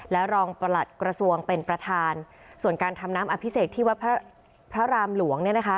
และรองประหลัดกระทรวงเป็นประธานส่วนการทำน้ำอภิเษกที่วัดพระรามหลวง